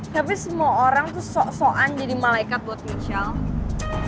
tapi semua orang tuh sok soan jadi malaikat buat michelle